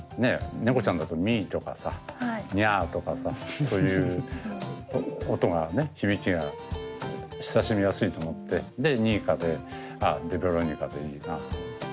猫ちゃんだとミーとかさにゃとかさそういう音がね響きが親しみやすいと思ってでニーカでああでベロニカでいいなって。